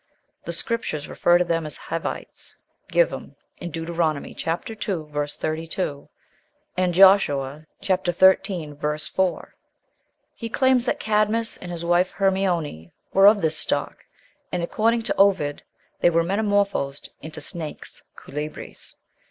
The Scriptures refer to them as Hivites (Givim) in Deuteronomy (chap. ii., verse 32), and Joshua (chap. xiii., verse 4). He claims that Cadmus and his wife Hermione were of this stock; and according to Ovid they were metamorphosed into snakes (Culebres).